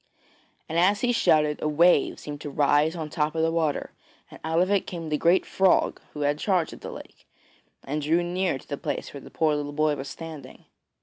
And as he shouted a wave seemed to rise on the top of the water, and out of it came the great frog who had charge of the lake, and drew near to the place where the poor little boy was standing.